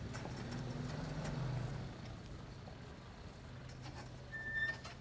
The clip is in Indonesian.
saya mau pergi ke rumah